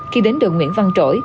khi đến đường nguyễn văn trỗi